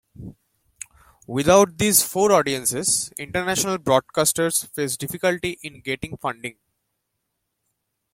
Without these four audiences, international broadcasters face difficulty in getting funding.